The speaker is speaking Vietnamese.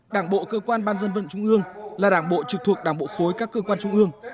đảng bộ cơ quan ban dân vận trung ương là đảng bộ trực thuộc đảng bộ khối các cơ quan trung ương